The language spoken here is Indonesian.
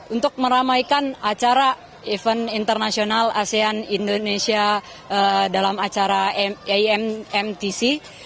untuk meramaikan acara event internasional asean indonesia dalam acara ammtc